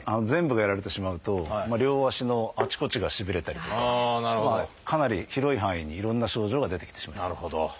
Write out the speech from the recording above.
全部がやられてしまうと両足のあちこちがしびれたりとかかなり広い範囲にいろんな症状が出てきてしまう。